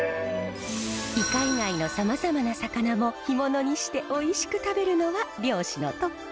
イカ以外のさまざまな魚も干物にしておいしく食べるのは漁師の特権。